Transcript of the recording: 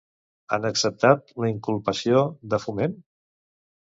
Han acceptat la inculpació de Foment?